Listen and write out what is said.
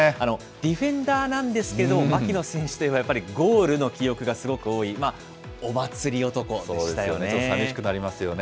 ディフェンダーなんですけど、槙野選手というのはやっぱりゴールの記憶がすごく多い、お祭り男ちょっと寂しくなりますよね。